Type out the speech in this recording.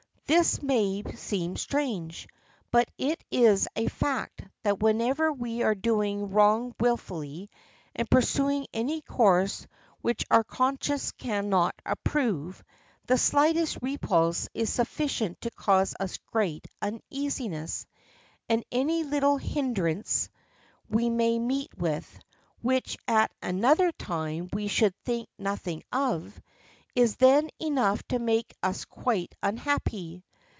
This may seem strange, but it is a fact that whenever we are doing wrong wilfully, and pursuing any course which our conscience cannot approve, the slightest repulse is sufficient to cause us great uneasiness, and any little hindrance we may meet with, which at another time we should think nothing of, is then enough to make us quite unhappy.